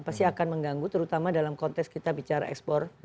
pasti akan mengganggu terutama dalam konteks kita bicara ekspor